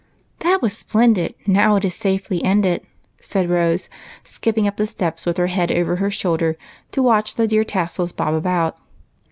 " That was splendid, now it is safely ended," said 66 EIGHT COUSINS. Rose, skipping up the steps with her head over her shoulder to watch the dear tassels bob about.